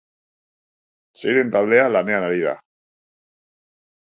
Seiren taldea lanean ari da.